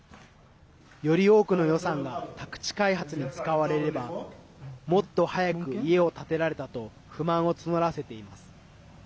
より多くの予算が宅地開発に使われればもっと早く家を建てられたと不満を募らせています。